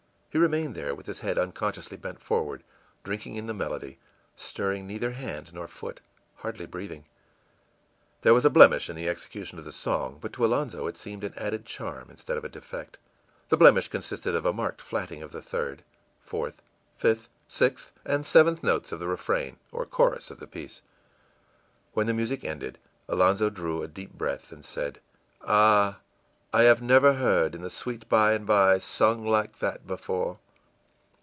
He remained there, with his head unconsciously bent forward, drinking in the melody, stirring neither hand nor foot, hardly breathing. There was a blemish in the execution of the song, but to Alonzo it seemed an added charm instead of a defect. This blemish consisted of a marked flatting of the third, fourth, fifth, sixth, and seventh notes of the refrain or chorus of the piece. When the music ended, Alonzo drew a deep breath, and said, ìAh, I never have heard 'In the Sweet By and by' sung like that before!